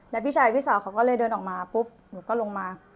แล้วพี่ชายพี่สาวเขาก็เลยเดินออกมาปุ๊บหนูก็ลงมา